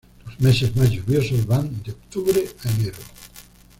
Los meses más lluviosos van de octubre a enero.